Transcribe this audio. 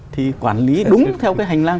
thì quản lý đúng theo cái hành lang